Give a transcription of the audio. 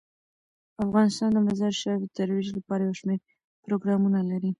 افغانستان د مزارشریف د ترویج لپاره یو شمیر پروګرامونه لري.